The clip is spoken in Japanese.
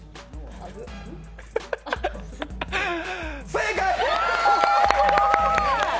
正解！